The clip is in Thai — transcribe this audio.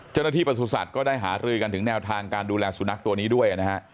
เจ้าหน้าที่ประสุทธิ์สัตว์ก็ได้หาลือกันถึงแนวทางการดูแลสุนัขตัวนี้ด้วยนะฮะ